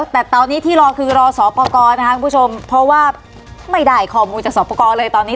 แต่ตอนนี้ที่รอคือรอสอบประกอบนะคะคุณผู้ชมเพราะว่าไม่ได้ข้อมูลจากสอบประกอบเลยตอนนี้